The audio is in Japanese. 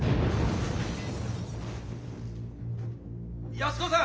・・・・・・安子さん！